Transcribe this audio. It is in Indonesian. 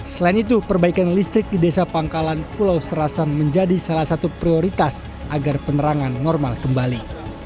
selain itu perbaikan listrik di desa pangkalan pulau serasan menjadi salah satu prioritas agar penerangan normal kembali